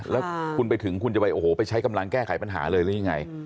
แล้วคุณไปถึงคุณจะไปโอ้โหไปใช้กำลังแก้ไขปัญหาเลยหรือยังไง